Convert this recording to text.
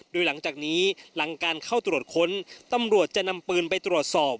ด้วยหลังหลังจากนี้ถ้าเข้าตรวจค้นตำรวจจะนำปืนไปตรวจสอบ